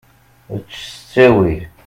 Ečč s ttawil.